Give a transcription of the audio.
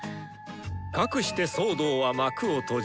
かくして騒動は幕を閉じ。